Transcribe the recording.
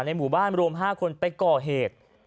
หมู่บ้านรวม๕คนไปก่อเหตุ